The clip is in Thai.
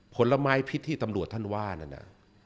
ผลไม้พิษที่ตำรวจท่านว่านั่นน่ะ